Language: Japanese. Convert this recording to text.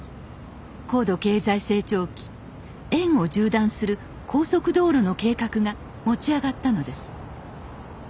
高度経済成長期園を縦断する高速道路の計画が持ち上がったのです。